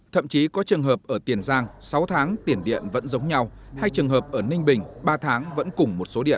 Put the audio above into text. thậm chí có trường hợp ở tiền giang sáu tháng tiền điện vẫn giống nhau hay trường hợp ở ninh bình ba tháng vẫn cùng một số điện